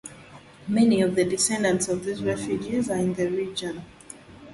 Many of the descendants of these refugees are in the region.